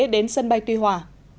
đến sân bay tuy hòa